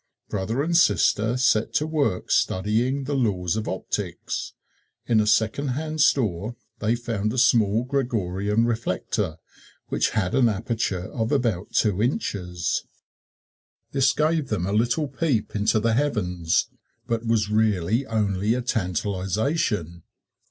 Brother and sister set to work studying the laws of optics. In a secondhand store they found a small Gregorian reflector which had an aperture of about two inches. This gave them a little peep into the heavens, but was really only a tantalization.